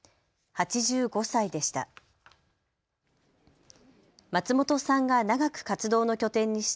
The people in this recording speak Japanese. ８５歳でした。